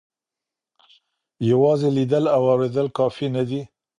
یوازې لیدل او اورېدل کافي نه دي.